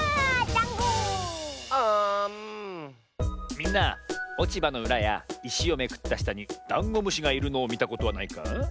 みんなおちばのうらやいしをめくったしたにダンゴムシがいるのをみたことはないか？